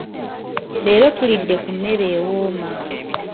Leero tulidde ku mmere ewooma.